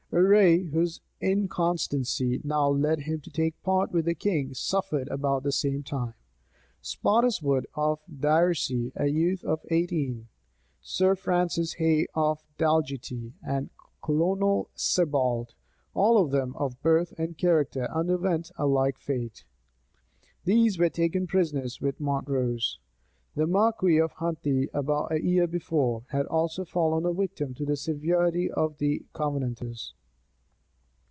Urrey, whose inconstancy now led him to take part with the king, suffered about the same time: Spotiswood of Daersie, a youth of eighteen, Sir Francis Hay of Dalgetie, and Colonel Sibbald, all of them of birth and character, underwent a like fate. These were taken prisoners with Montrose. The marquis of Huntley, about a year before, had also fallen a victim to the severity of the Covenanters.